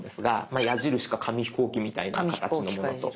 まあ矢印か紙飛行機みたいな形のものと。